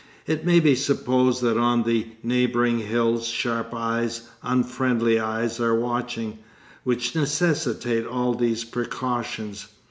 It may be supposed that on the neighbouring hills sharp eyes, unfriendly eyes, are watching, which necessitate all these precautions.